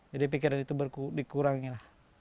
jadi pikiran itu dikurangin